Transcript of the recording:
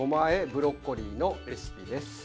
ブロッコリーのレシピです。